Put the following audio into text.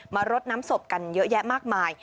รดน้ำศพกันเยอะแยะมากมาย